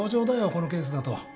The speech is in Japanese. このケースだと。